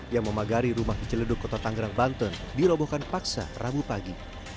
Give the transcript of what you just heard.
yang memagari rumah keceleduk kota tanggerang banten dirobohkan paksa rabu pagi